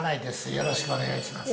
よろしくお願いします。